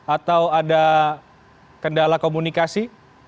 atau ada kendala komunikasi